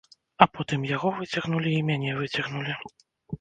А потым яго выцягнулі і мяне выцягнулі.